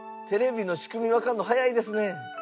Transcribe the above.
テレビの仕組みわかるの早いですね。